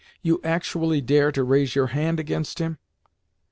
—you actually dare to raise your hand against him!